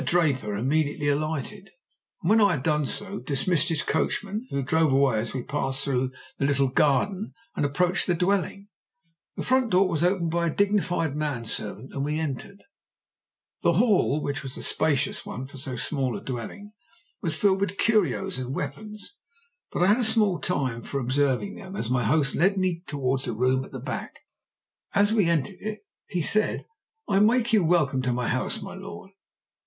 Draper immediately alighted, and when I had done so, dismissed his coachman, who drove away as we passed through the little garden and approached the dwelling. The front door was opened by a dignified man servant, and we entered. The hall, which was a spacious one for so small a dwelling, was filled with curios and weapons, but I had small time for observing them, as my host led me towards a room at the back. As we entered it he said 'I make you welcome to my house, my lord.